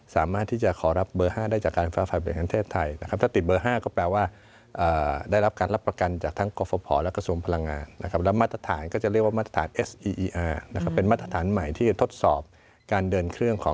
สามารถที่จะขอรับเบอร์๕ได้จากการอิฟทธิภาพภาคประเทศไทย